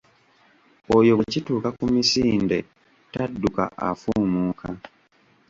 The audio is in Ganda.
Oyo bw’ekituuka ku misinde, tadduka afuumuuka.